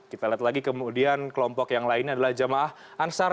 kita lihat lagi kemudian kelompok yang lainnya adalah jamaah ansar